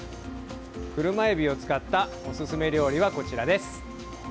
クルマエビを使ったおすすめ料理は、こちらです。